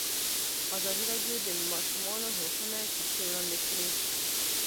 ازادي راډیو د د ماشومانو حقونه کیسې وړاندې کړي.